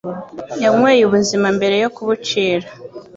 Yanyweye ubuzima mbere yo kubucira.